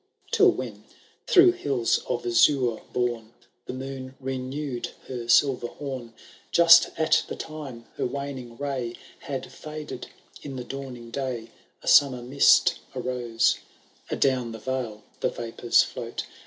Till when, through hills of azure borne,' The moon renewed her silver horn. Just at the time her waning ray Had &ded in the dawning day, A summer mist arose ; Adown the vale the vapours float.